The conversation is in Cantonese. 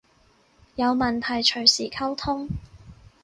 有問題隨時溝通